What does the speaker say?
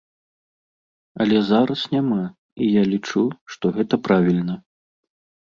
Але зараз няма, і я лічу, што гэта правільна.